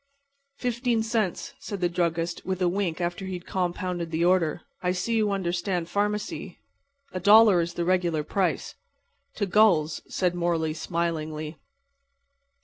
"Fifteen cents," said the druggist, with a wink after he had compounded the order. "I see you understand pharmacy. A dollar is the regular price." "To gulls," said Morley, smilingly.